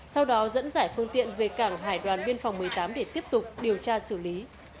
sau đó dẫn giải phương tiện về cảng hải đoàn biên phòng một mươi tám để tiếp tục điều tra xử lý